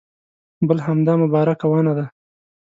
بل همدا مبارکه ونه ده.